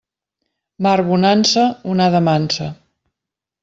Mar bonança, onada mansa.